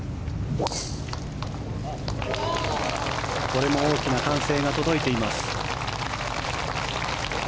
これも大きな歓声が届いています。